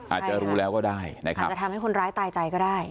อาจจะรู้แล้วก็ได้นะครับอาจจะทำให้คนร้ายตายใจก็ได้